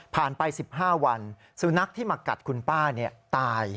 ไป๑๕วันสุนัขที่มากัดคุณป้าตาย